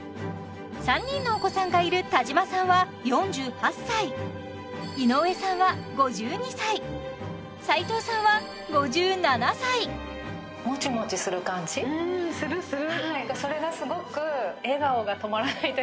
３人のお子さんがいる田島さんは４８歳井上さんは５２歳斉藤さんは５７歳うんするする！